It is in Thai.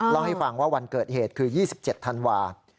เล่าให้ฟังว่าวันเกิดเหตุคือ๒๗ธันวาคม